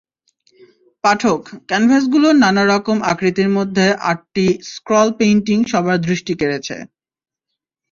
পাঠক, ক্যানভাসগুলোর নানা রকম আকৃতির মধ্যে আটটি স্ক্রল পেইন্টিং সবার দৃষ্টি কেড়েছে।